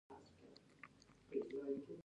ارمان پيژو شخصي مسوولیت نهلري.